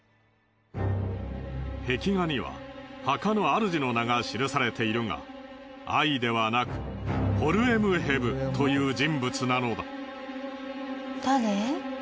壁画には墓のあるじの名が記されているがアイではなくホルエムヘブという人物なのだ。